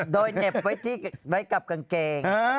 โดยเหน็บไว้กับกางเกง